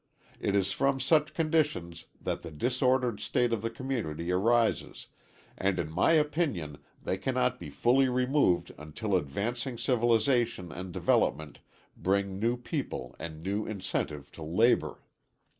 It is from such conditions that the disordered state in the community arises, and in my opinion they cannot be fully removed until advancing civilization and development bring new people and new incentive to labor.